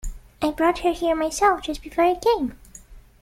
I brought her here myself just before you came.